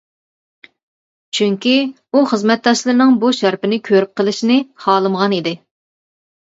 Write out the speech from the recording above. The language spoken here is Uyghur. چۈنكى، ئۇ خىزمەتداشلىرىنىڭ بۇ شارپىنى كۆرۈپ قىلىشىنى خالىمىغان ئىدى.